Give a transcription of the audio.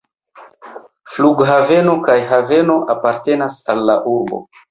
Flughaveno kaj haveno apartenas al la urbo.